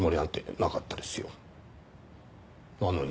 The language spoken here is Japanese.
なのに。